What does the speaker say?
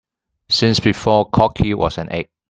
Since before cocky was an egg.